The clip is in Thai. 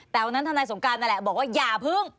แต่วันนั้นทนายสงการนั่นแหละบอกว่าอย่าเพิ่ง